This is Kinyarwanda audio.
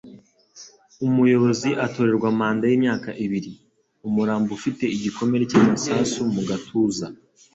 Umuyobozi atorerwa manda yimyaka ibiri. Umurambo ufite igikomere cy'amasasu mu gatuza.